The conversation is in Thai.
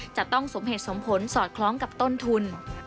จะต้องสมเหตุสมผลสอดคล้องกับต้นทุน